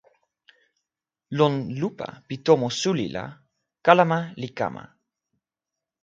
lon lupa pi tomo suli la, kalama li kama!